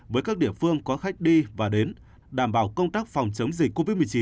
với các địa phương có khách đi và đến đảm bảo công tác phòng chống dịch covid một mươi chín